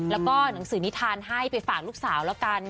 แล้วก็หนังสือนิทานให้ไปฝากลูกสาว